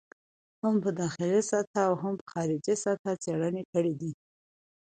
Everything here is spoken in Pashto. هم په داخلي سطحه او هم په خارجي سطحه څېړنه کړې دي.